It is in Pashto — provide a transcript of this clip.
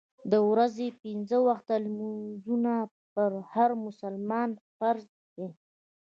د ورځې پنځه وخته لمونځونه پر هر مسلمان فرض دي.